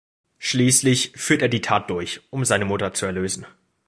Schließlich führt er die Tat durch, um seine Mutter zu erlösen.